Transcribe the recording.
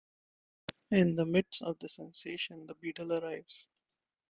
In the midst of this sensation, the beadle arrives.